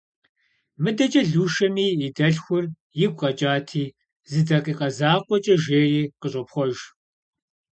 Мыдэкӏэ Лушэми и дэлъхур игу къэкӏати, зы дакъикъэ закъуэкӏэ жери, къыщӏопхъуэж.